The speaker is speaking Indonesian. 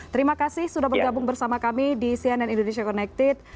terima kasih sudah bergabung bersama kami di cnn indonesia connected